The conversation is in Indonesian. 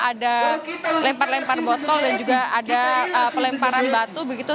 ada lempar lempar botol dan juga ada pelemparan batu begitu